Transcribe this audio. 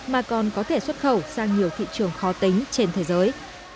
mà còn có thể xuất khẩu sang nhiều thị trường khó tính trên thế giới